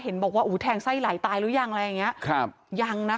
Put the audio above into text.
เห็นบอกว่าอุทังไส้ไหลตายรู้อยังอะไรอย่างนี้